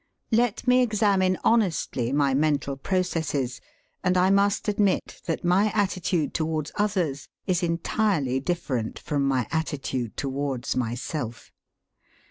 Let me examine honestly my mental processes, and I must admit that my attitude towards others is entirely different from my attitude towards myself.